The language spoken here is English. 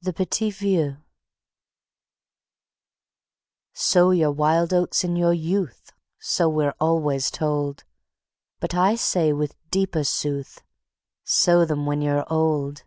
The Petit Vieux "Sow your wild oats in your youth," so we're always told; But I say with deeper sooth: "Sow them when you're old."